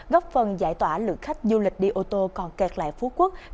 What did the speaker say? góp phần giải tỏa lượng khách du lịch đi ô tô còn kẹt lại phú quốc